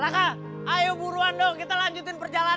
kak haha laka ayo buruan dong kita lanjutin perjalanan